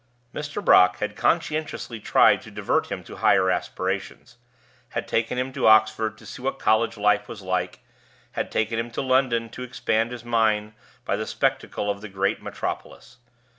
Mr. Brock had conscientiously tried to divert him to higher aspirations; had taken him to Oxford, to see what college life was like; had taken him to London, to expand his mind by the spectacle of the great metropolis.